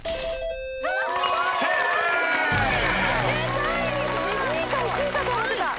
３位⁉２位か１位かと思ってた。